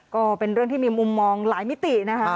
ก็เป็นเรื่องที่มีมุมมองหลายมิตินะคะ